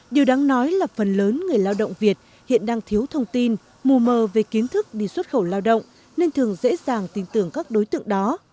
điều đáng nói là phần lớn người lao động việt hiện đang thiếu thông tin mù mờ về kiến thức đi xuất khẩu lao động nên thường dễ dàng tin tưởng các đối tượng đó